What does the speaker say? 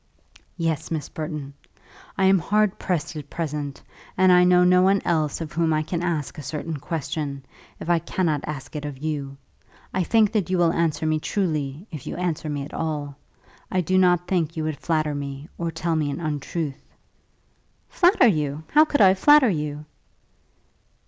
"Yes, Miss Burton. I am hard pressed at present, and I know no one else of whom I can ask a certain question, if I cannot ask it of you. I think that you will answer me truly, if you answer me at all. I do not think you would flatter me, or tell me an untruth." "Flatter you! how could I flatter you?"